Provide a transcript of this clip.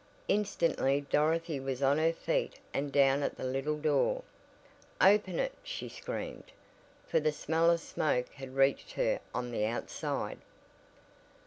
Instantly Dorothy was on her feet and down at that little door. "Open it!" she screamed, for the smell of smoke had reached her on the outside.